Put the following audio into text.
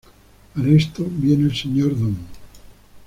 Para esto viene el señor Dn.